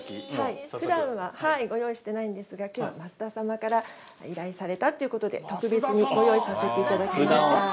ふだんはご用意できないんですが、きょうは増田様から依頼されたということで、特別にご用意させていただきました。